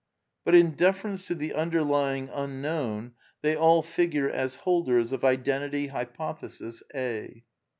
But in deference to the underlying Un known they all figure as holders of Identity Hy pothesis A.